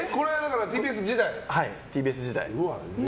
はい、ＴＢＳ時代。